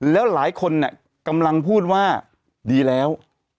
แล้วหลายคนกำลังพูดว่าดีแล้ว